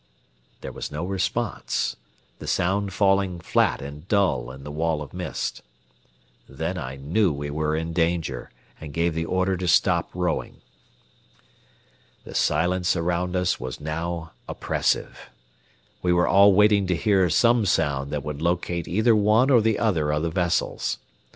There was no response, the sound falling flat and dull in the wall of mist. Then I knew we were in danger, and gave the order to stop rowing. The silence around us was now oppressive. We were all waiting to hear some sound that would locate either one or the other of the vessels.